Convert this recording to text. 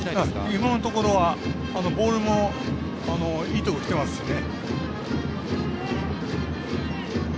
今のところは、ボールもいいとこきてますね。